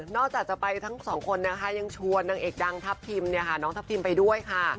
นอกจากจะไปทั้งสองคนนะคะยังชวนตังเอกดังทัพทิมเนี่ยค่ะ